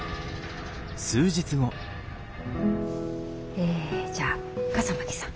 えじゃあ笠巻さん。